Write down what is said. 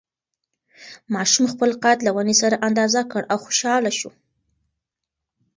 ماشوم خپل قد له ونې سره اندازه کړ او خوشحاله شو.